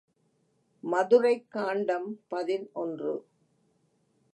மதுரைக் காண்டம் பதினொன்று.